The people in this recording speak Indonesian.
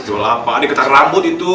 jual apa diketar rambut itu